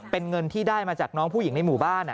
เป็นเงินที่ได้มาจากน้องผู้หญิงในหมู่บ้าน